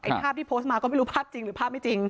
ภาพที่โพสต์มาก็ไม่รู้ภาพจริงหรือภาพไม่จริง